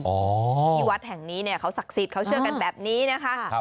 ที่วัดแห่งนี้เนี่ยเขาศักดิ์สิทธิ์เขาเชื่อกันแบบนี้นะคะ